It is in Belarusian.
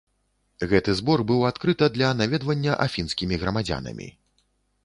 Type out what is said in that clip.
Гэты збор быў адкрыта для наведвання афінскімі грамадзянамі.